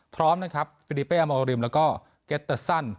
พร้อมนะครับฟิลิเป้อมอลริมแล้วก็เก็ตเตอร์ซัน